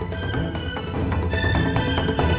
kau bukan bunda